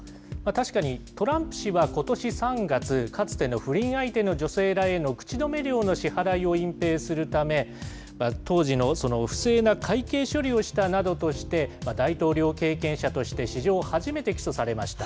確かにトランプ氏はことし３月、かつての不倫相手の女性らへの口止め料の支払いを隠蔽するため、当時の不正な会計処理をしたなどとして、大統領経験者として、史上初めて起訴されました。